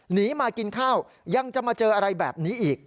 หนีมากินข้าวยังจะมาเจออะไรแบบนี้อีก